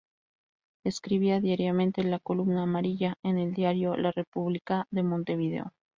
Escribía diariamente "La columna amarilla" en el diario "La República" de Montevideo.